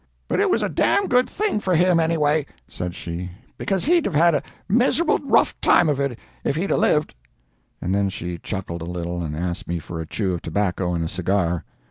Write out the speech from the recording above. "But it was a d——d good thing for him, anyway," said she, "because he'd have had a miserable rough time of it if he'd a lived"; and then she chuckled a little, and asked me for a chew of tobacco and a cigar.